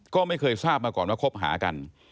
ก็ไม่เคยทราบมาก่อนว่าคบหากัน